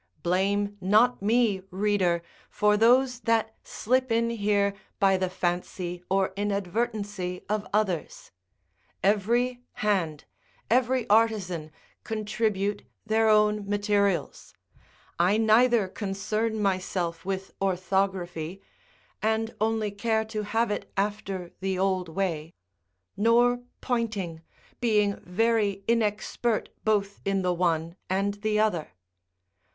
Blame not me, reader, for those that slip in here by the fancy or inadvertency of others; every hand, every artisan, contribute their own materials; I neither concern myself with orthography (and only care to have it after the old way) nor pointing, being very inexpert both in the one and the other.